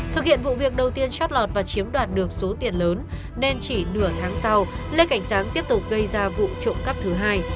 thực hiện vụ việc đầu tiên chót lọt và chiếm đoạt được số tiền lớn nên chỉ nửa tháng sau lê cảnh sáng tiếp tục gây ra vụ trộm cắp thứ hai